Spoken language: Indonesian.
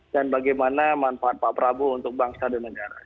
dan bagaimana manfaat pak prabowo untuk bangsa dan negara